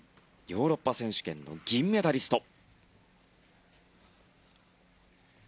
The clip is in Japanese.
ヨーロッパ選手権の銀メダリスト。